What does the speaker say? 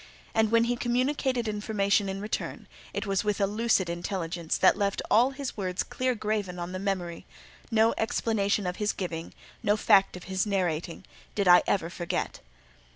And when he communicated information in return, it was with a lucid intelligence that left all his words clear graven on the memory; no explanation of his giving, no fact of his narrating, did I ever forget.